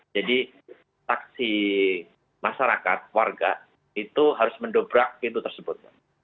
jadi saksi masyarakat warga itu harus mendobrak pintu tersebut